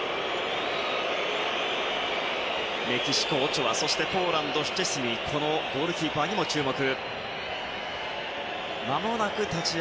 メキシコ、オチョアポーランド、シュチェスニーこのゴールキーパーにも注目。